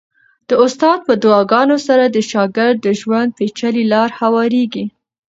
د استاد په دعاګانو سره د شاګرد د ژوند پېچلې لارې هوارېږي.